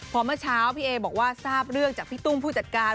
พอเมื่อเช้าพี่เอบอกว่าทราบเรื่องจากพี่ตุ้มผู้จัดการ